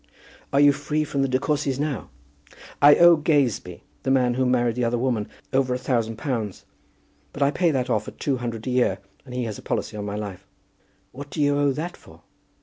"Are you free from the De Courcys now?" "I owe Gazebee, the man who married the other woman, over a thousand pounds. But I pay that off at two hundred a year, and he has a policy on my life." "What do you owe that for?"